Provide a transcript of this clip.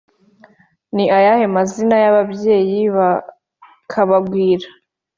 Ni ayahe mazina y’ababyeyi ba kabagwira?